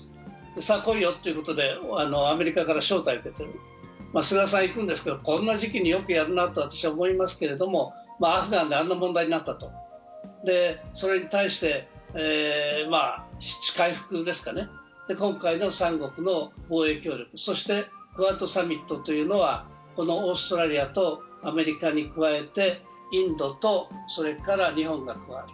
さあ来いよということで、アメリカから招待を受けている、菅さん、行くんですけど、こんな時期によくやるなと私は思いますけど、アフガンであんな問題になった、それに対して今回の３国の防衛協力、そしてクアッドサミットというのはオーストラリアとアメリカに加えてインドと日本が加わる。